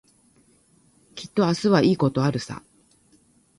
きっと明日はいいことあるさ。